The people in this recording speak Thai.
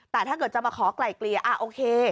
แต่ถ้าเกิดจะมาขอไกล่เกลี่ยโอเค